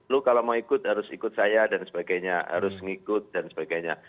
lu kalau mau ikut harus ikut saya dan sebagainya harus ngikut dan sebagainya